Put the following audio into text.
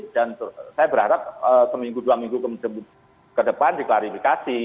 dan saya berharap seminggu dua minggu ke depan diklarifikasi